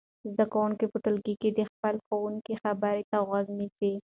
زده کوونکي په ټولګي کې د خپل ښوونکي خبرو ته غوږ نیسي.